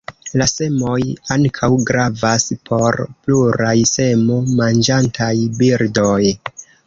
La semoj ankaŭ gravas por pluraj semo-manĝantaj birdoj.